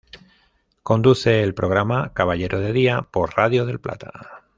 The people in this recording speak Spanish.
Conduce el programa "Caballero de Día" por Radio Del Plata.